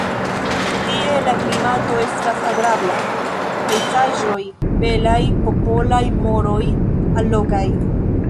Tie la klimato estas agrabla, pejzaĝoj belaj, popolaj moroj allogaj.